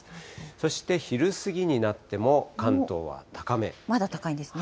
そして昼過ぎになっても関東は高まだ高いんですね。